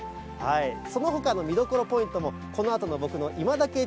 そのほかの見どころポイントも、このあとの僕のいまダケっ